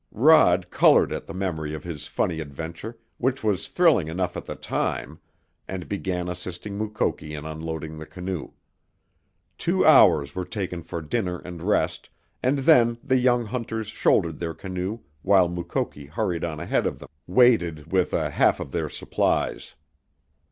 Rod colored at the memory of his funny adventure, which was thrilling enough at the time, and began assisting Mukoki in unloading the canoe. Two hours were taken for dinner and rest, and then the young hunters shouldered their canoe while Mukoki hurried on ahead of them, weighted with a half of their supplies.